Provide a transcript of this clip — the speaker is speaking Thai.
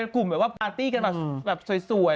เป็นกลุ่มปาตี้เกินสวย